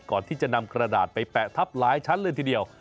ก่อนที่จะนำกระดาษไปแปะทับหลายชั้นเลยทีเดียว